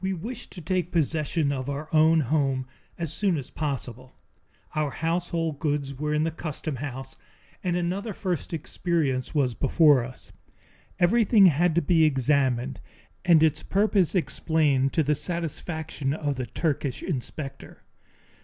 We wished to take possession of our own home as soon as possible. Our household goods were in the customhouse, and another first experience was before us. Everything had to be examined and its purpose explained to the satisfaction of the Turkish inspector.